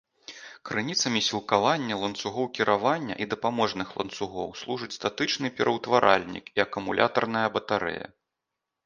Крыніцамі сілкавання ланцугоў кіравання і дапаможных ланцугоў служыць статычны пераўтваральнік і акумулятарная батарэя.